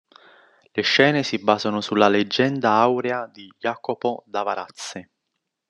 Le scene si basano sulla "Legenda Aurea" di Jacopo da Varazze.